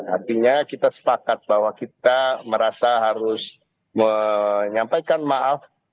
artinya kita sepakat bahwa kita merasa harus menyampaikan maaf